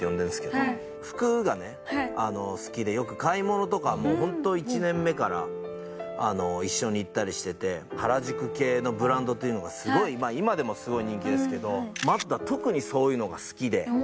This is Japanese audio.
服がね好きでよく買い物とかもホント１年目から一緒に行ったりしてて原宿系のブランドっていうのがすごい今でもすごい人気ですけどマッドは特にそういうのが好きで。